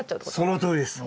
そのとおりです。